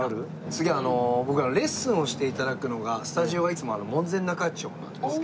次あの僕らレッスンをして頂くのがスタジオがいつも門前仲町なんですけど。